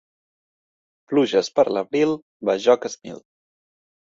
Pluges per l'abril, bajoques mil.